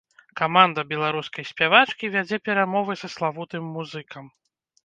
Каманда беларускай спявачкі вядзе перамовы са славутым музыкам.